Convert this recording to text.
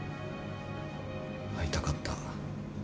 会いたかった。